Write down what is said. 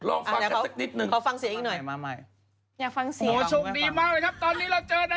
โอ้โฮโอ้โฮตัวมันใหญ่มากคุณผู้ชม